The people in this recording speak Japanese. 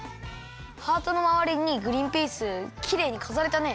ハートのまわりにグリンピースきれいにかざれたね！